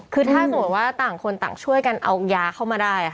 คือถ้าสมมุติว่าต่างคนต่างช่วยกันเอายาเข้ามาได้